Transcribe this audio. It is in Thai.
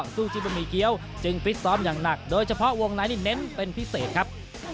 ที่บะหมี่เกี้ยวจึงฟิตซ้อมอย่างหนักโดยเฉพาะวงในนี่เน้นเป็นพิเศษครับ